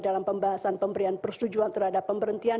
dalam pembahasan pemberian persetujuan terhadap pemberhentian